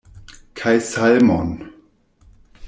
Kaj salmon!